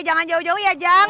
jangan jauh jauh ya jam